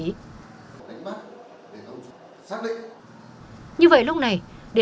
đánh bắt để thống xác định